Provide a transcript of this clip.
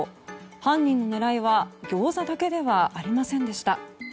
犯人の狙いはギョーザだけではありませんでした。